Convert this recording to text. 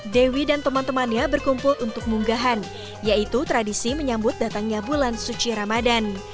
dewi dan teman temannya berkumpul untuk munggahan yaitu tradisi menyambut datangnya bulan suci ramadan